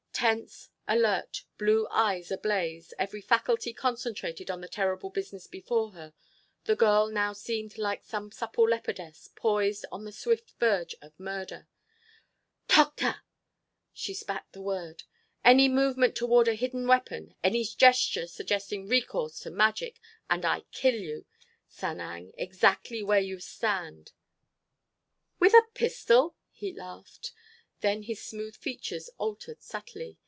Tense, alert, blue eyes ablaze, every faculty concentrated on the terrible business before her, the girl now seemed like some supple leopardess poised on the swift verge of murder. "Tokhta!" She spat the word. "Any movement toward a hidden weapon, any gesture suggesting recourse to magic—and I kill you, Sanang, exactly where you stand!" "With a pistol?" He laughed. Then his smooth features altered subtly.